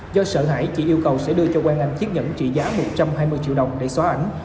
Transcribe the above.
do sợ hãi chị yêu cầu sẽ đưa cho quang anh chiếc nhẫn trị giá một trăm hai mươi triệu đồng để xóa ảnh